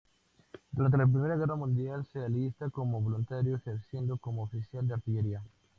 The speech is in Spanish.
Durante la Primera Guerra Mundial se alista como voluntario ejerciendo como oficial de artillería.